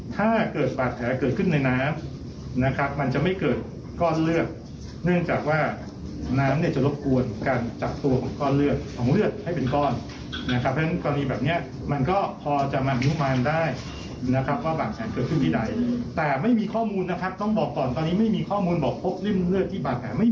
ที่เล่าคือเป็นแค่ทฤษฎีเฉยครับ